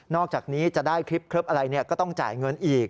อกจากนี้จะได้คลิปอะไรก็ต้องจ่ายเงินอีก